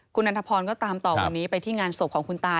คุณนันทพรก็ตามต่อวันนี้ไปที่งานศพของคุณตา